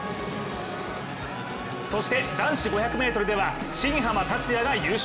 そして男子５００ｍでは、新濱立也が優勝。